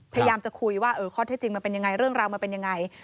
พยายามจะคุยว่าข้อเท็จจริงมันเป็นยังไงเรื่องราวมันเป็นยังไง